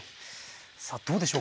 さあどうでしょうか？